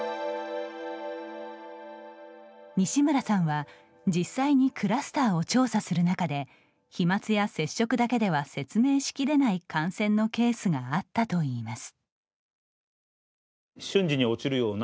西村さんは実際にクラスターを調査する中で飛まつや接触だけでは説明しきれない感染のケースがあったといいます。